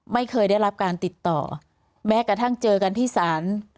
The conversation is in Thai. ไม่เคยได้รับการติดต่อแม้กระทั่งเจอกันที่ศาล